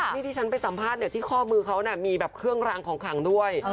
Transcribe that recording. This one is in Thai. นี่ที่ฉันไปสัมภาษณ์ที่ข้อมือเขามีแบบเครื่องรางของขังด้วย